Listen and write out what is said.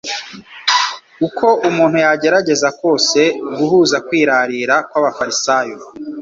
Uko umuntu yagerageza kose guhuza kwirarira kw’abafarisayo